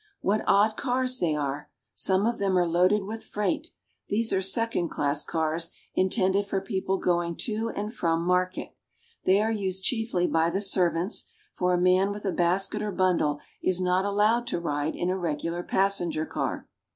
What odd cars they are ! Some of them are loaded with freight. These are second class cars, intended for people going to and from market. They are used chiefly by the servants, for a man with a basket or bundle is not allowed to ride in a regular passenger car.